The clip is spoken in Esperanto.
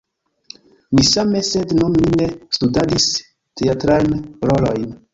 Mi same, sed nun ni ne studadis teatrajn rolojn.